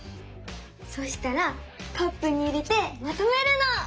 そしたらカップに入れてまとめるの！